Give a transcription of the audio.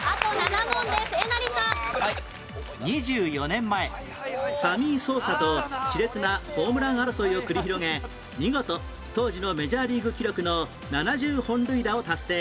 ２４年前サミー・ソーサと熾烈なホームラン争いを繰り広げ見事当時のメジャーリーグ記録の７０本塁打を達成